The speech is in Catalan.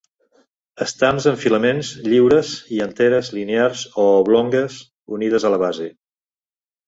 Estams amb filaments lliures i anteres linears o oblongues unides a la base.